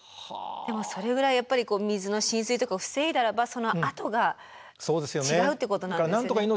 でもそれぐらいやっぱり水の浸水とかを防いだらばそのあとが違うってことなんですね。